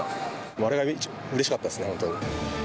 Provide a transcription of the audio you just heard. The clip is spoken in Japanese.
あれはうれしかったですね、本当に。